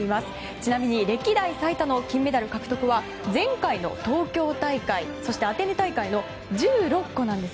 ちなみに歴代最多の金メダル獲得は前回の東京大会そしてアテネ大会の１６個なんです。